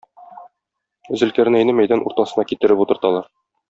Зөлкарнәйне мәйдан уртасына китереп утырталар.